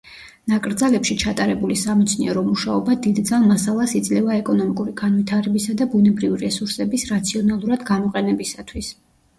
ნაკრძალებში ჩატარებული სამეცნიერო მუშაობა დიდძალ მასალას იძლევა ეკონომიკური განვითარებისა და ბუნებრივი რესურსების რაციონალურად გამოყენებისათვის.